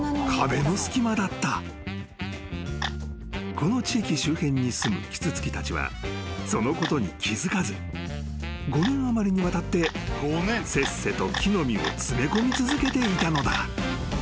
［この地域周辺にすむキツツキたちはそのことに気付かず５年余りにわたってせっせと木の実を詰め込み続けていたのだ］